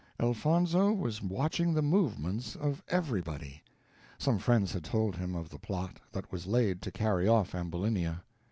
Elfonzo was watching the movements of everybody; some friends had told him of the plot that was laid to carry off Ambulinia.